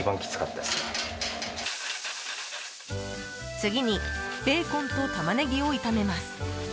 次に、ベーコンとタマネギを炒めます。